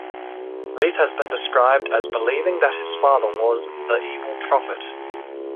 Leith has been described as believing that his father was "The Evil Prophet".